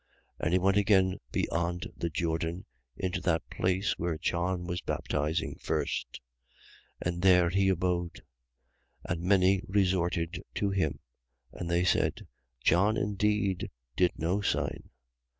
10:40. And he went again beyond the Jordan, into that place where John was baptizing first. And there he abode. 10:41. And many resorted to him: and they said: John indeed did no sign.